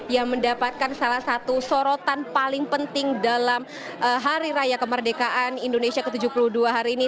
yang mendapatkan salah satu sorotan paling penting dalam hari raya kemerdekaan indonesia ke tujuh puluh dua hari ini